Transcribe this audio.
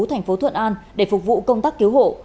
thành phố thuận an để phục vụ công tác cứu hộ